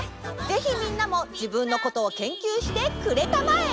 ぜひみんなも自分のことを研究してくれたまえ！